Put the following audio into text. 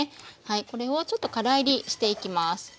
これをちょっとから煎りしていきます。